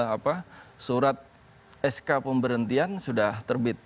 apa surat sk pemberhentian sudah terbit